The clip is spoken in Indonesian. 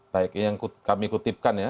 baik ini yang kami kutipkan ya